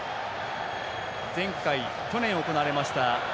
前回、去年行われました